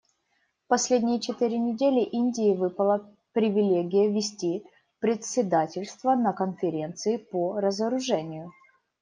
В последние четыре недели Индии выпала привилегия вести председательство на Конференции по разоружению.